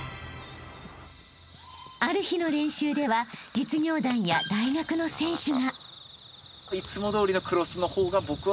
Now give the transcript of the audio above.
［ある日の練習では実業団や大学の選手が］